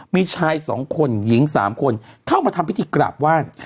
มีชาย๒คนหญิง๓คนเข้ามาทำพิธีกราบไหว้